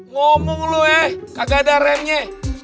ngomong lu eh kagak ada remnya